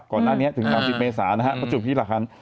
ก่อนหน้านี้จนถึง๓๐เมษานะครับประจุพิรคัณ